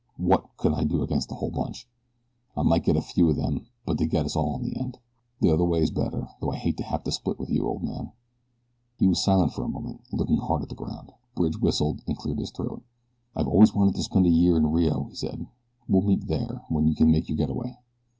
what could I do against the whole bunch? I might get a few of them; but they'd get us all in the end. This other way is better, though I hate to have to split with you, old man." He was silent then for a moment, looking hard at the ground. Bridge whistled, and cleared his throat. "I've always wanted to spend a year in Rio," he said. "We'll meet there, when you can make your get away."